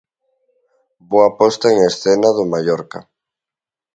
Boa posta en escena do Mallorca.